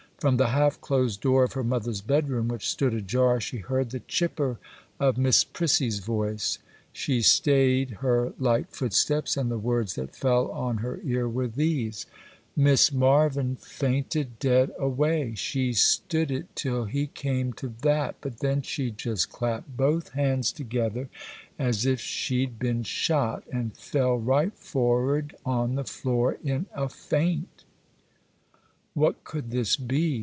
From the half closed door of her mother's bedroom, which stood ajar, she heard the chipper of Miss Prissy's voice. She stayed her light footsteps, and the words that fell on her ear were these:— 'Miss Marvyn fainted dead away;—she stood it till he came to that; but then she just clapped both hands together, as if she'd been shot, and fell right forward on the floor in a faint!' What could this be?